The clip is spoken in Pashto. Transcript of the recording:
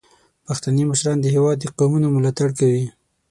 پښتني مشران د هیواد د قومونو ملاتړ کوي.